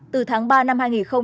từ tháng ba năm hai nghìn hai mươi